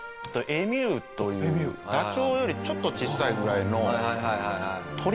エミューというダチョウよりちょっと小さいぐらいの鳥ですね。